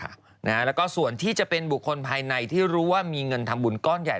แล้วก็ส่วนที่จะเป็นบุคคลภายในที่รู้ว่ามีเงินทำบุญก้อนใหญ่